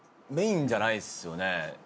メインじゃないっすよねぇ。